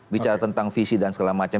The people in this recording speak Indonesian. bicara tentang visi dan segala macam